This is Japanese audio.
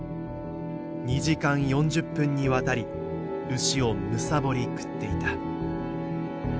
２時間４０分にわたり牛をむさぼり食っていた。